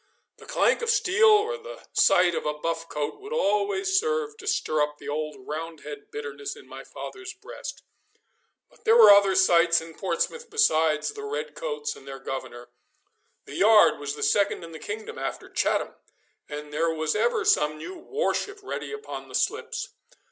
The clank of steel or the sight of a buff coat would always serve to stir up the old Roundhead bitterness in my father's breast. But there were other sights in Portsmouth besides the red coats and their Governor. The yard was the second in the kingdom, after Chatham, and there was ever some new war ship ready upon the slips.